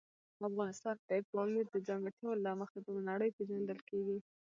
افغانستان د پامیر د ځانګړتیاوو له مخې په نړۍ پېژندل کېږي.